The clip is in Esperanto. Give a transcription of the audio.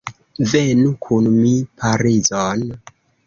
Venu kun mi Parizon.